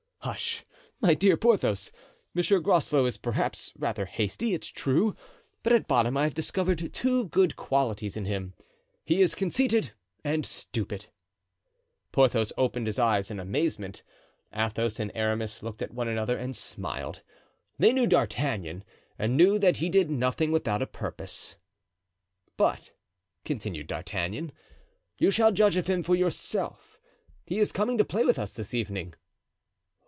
"Hush! my dear Porthos. Monsieur Groslow is perhaps rather hasty, it's true, but at bottom I have discovered two good qualities in him—he is conceited and stupid." Porthos opened his eyes in amazement; Athos and Aramis looked at one another and smiled; they knew D'Artagnan, and knew that he did nothing without a purpose. "But," continued D'Artagnan, "you shall judge of him for yourself. He is coming to play with us this evening."